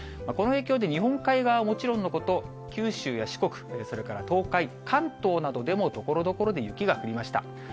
この影響で日本海側はもちろんのこと、九州や四国、それから東海、関東などでもところどころで雪が降りました。